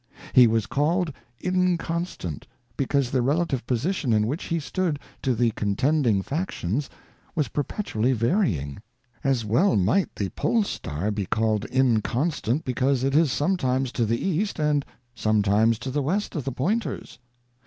He was called inconstant, because the relative position in which he stood to the contending factions was perpetually varying. As well might the pole star be called inconstant because it is sometimes to the east and sometimes to the west of the pointers.